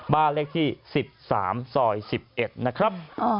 บ้านเลขที่๑๓ซอย๑๑นะครับ